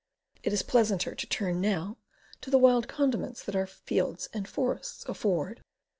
It is pleasanter to turn, now, to the wild condiments that our fields and forests afford.